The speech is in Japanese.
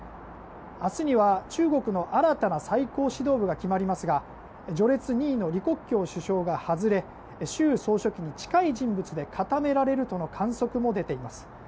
明日には中国の新たな最高指導部が決まりますが序列２位の李克強首相が外れ習総書記に近い人物で固められるとの観測も出ています。